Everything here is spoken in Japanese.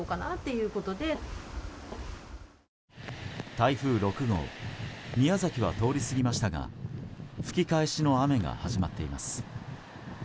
台風６号宮崎は通り過ぎましたが吹き返しの雨が始まっています。